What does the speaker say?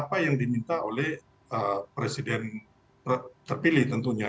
apa yang diminta oleh presiden terpilih tentunya